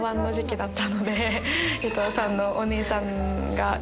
伊藤さんのお兄さんが。